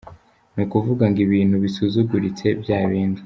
Ni ukuvuga ngo ibintu bisuzuguritse bya bindi